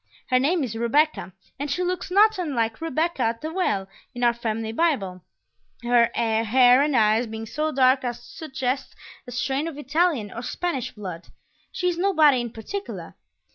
Her name is Rebecca, and she looks not unlike Rebekah at the Well in our family Bible; her hair and eyes being so dark as to suggest a strain of Italian or Spanish blood. She is nobody in particular.